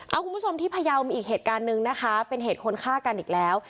เอาคุณผู้ชมที่พยาวมีอีกเหตุการณ์หนึ่งนะคะเป็นเหตุคนฆ่ากันอีกแล้ว